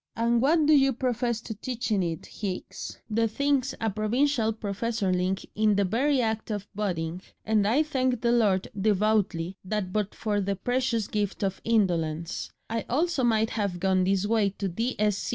And what do you profess to teach in it, Hicks?' "The thing's a Provincial professorling in the very act of budding, and I thank the Lord devoutly that but for the precious gift of indolence I also might have gone this way to D.Sc.